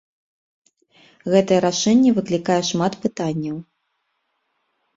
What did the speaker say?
Гэтае рашэнне выклікае шмат пытанняў.